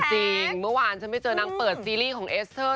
จริงเมื่อวานฉันไม่เจอนางเปิดซีรีส์ของเอสเตอร์